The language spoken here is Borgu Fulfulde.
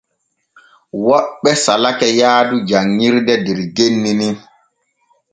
Woɓɓe salake yaadu janŋirde der genni ni.